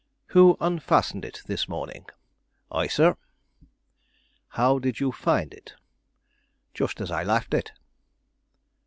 "Who unfastened it this morning?" "I, sir." "How did you find it?" "Just as I left it."